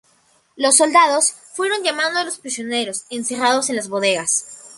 Los soldados fueron llamando a los prisioneros encerrados en las bodegas.